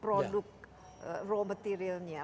produk raw materialnya